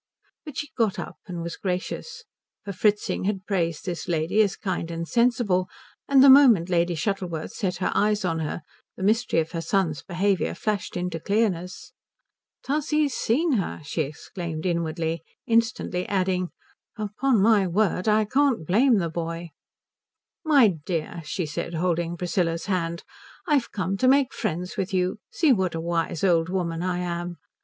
But she got up and was gracious, for Fritzing had praised this lady as kind and sensible; and the moment Lady Shuttleworth set her eyes on her the mystery of her son's behaviour flashed into clearness. "Tussie's seen her!" she exclaimed inwardly; instantly adding "Upon my word I can't blame the boy." "My dear," she said, holding Priscilla's hand, "I've come to make friends with you. See what a wise old woman I am.